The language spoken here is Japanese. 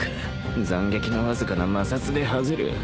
斬撃のわずかな摩擦ではぜる